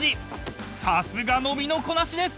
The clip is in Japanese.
［さすがの身のこなしです］